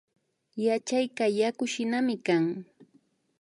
Yachayka yakushinami kan